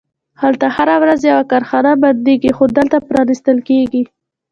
هلته هره ورځ یوه کارخونه بندیږي، خو دلته پرانیستل کیږي